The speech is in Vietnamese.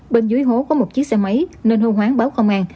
bên dưới hố có một chiếc xe máy nên hô hoáng báo công an